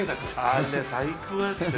あれ最高だったね。